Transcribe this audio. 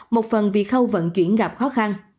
một phần vì khâu vận chuyển gặp khó khăn